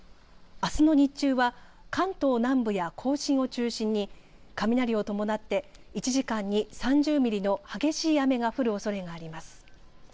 あすの日中は関東南部や甲信を中心に雷を伴って１時間に３０ミリの激しい雨が降るおそれがあります。